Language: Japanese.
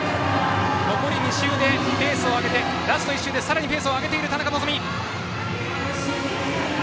残り２周でペースを上げてラスト１周で、さらにペースを上げている田中希実。